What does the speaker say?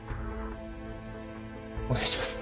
お願いします。